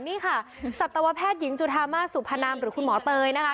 นี่ค่ะสัตวแพทย์หญิงจุธามาสุพนามหรือคุณหมอเตยนะคะ